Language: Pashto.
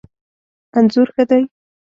انځور ښه دی